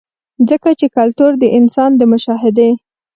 ځکه چې کلتور د انسان د مشاهدې